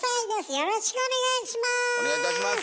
よろしくお願いします！